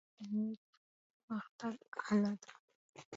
ژبه د علمي پرمختګ آله ده.